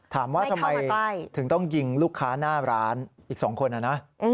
ถามว่าทำไมถึงต้องยิงลูกค้าหน้าร้านอีก๒คนนะนะ